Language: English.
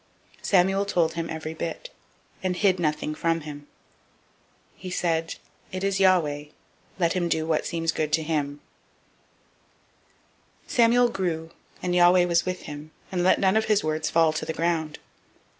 003:018 Samuel told him every whit, and hid nothing from him. He said, It is Yahweh: let him do what seems him good. 003:019 Samuel grew, and Yahweh was with him, and did let none of his words fall to the ground.